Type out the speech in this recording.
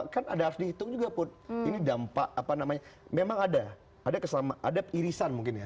kan ada dihitung juga pun ini dampak apa namanya memang ada ada keselamatan irisan mungkin ya